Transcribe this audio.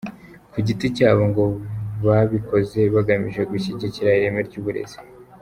Ku giti cyabo ngo babikoze bagamije gushyigikira ireme ry’uburezi.